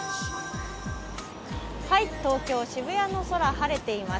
東京・渋谷の空、晴れています。